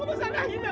masih ada yang hilang